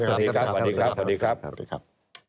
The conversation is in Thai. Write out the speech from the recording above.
สวัสดีครับ